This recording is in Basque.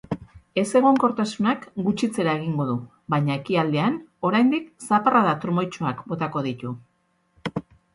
Ezegonkortasunak gutxitzera egingo du, baina ekialdean oraindik zaparrada trumoitsuak botako ditu.